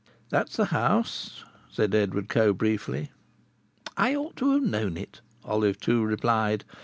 "That's the house," said Edward Coe, briefly. "I might have known it," Olive Two replied.